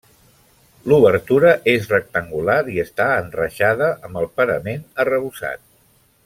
L'obertura és rectangular i està enreixada, amb el parament arrebossat.